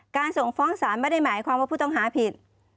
ส่งฟ้องศาลไม่ได้หมายความว่าผู้ต้องหาผิด